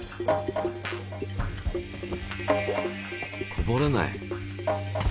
こぼれない。